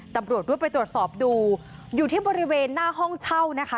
ตำรวจรวดไปตรวจสอบดูอยู่ที่บริเวณหน้าห้องเช่านะคะ